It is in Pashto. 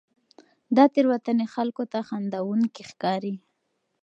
دا تېروتنې خلکو ته خندوونکې ښکاري.